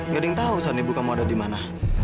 gak ada yang tahu sony ibu kamu ada di mana